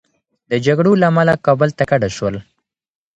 د جګړو له امله کابل ته کډه شول.